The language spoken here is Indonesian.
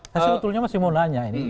saya sebetulnya masih mau nanya ini